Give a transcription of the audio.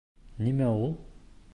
— Нимә ул?